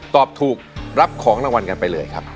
ตอบถูกรับของรางวัลกันไปเลยครับ